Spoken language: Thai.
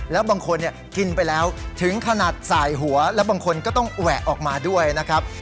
แล้วบางคนกินไปแล้วถึงขนาดสายหัวและบางคนก็ต้องแหวะออกมาด้วยนะครับ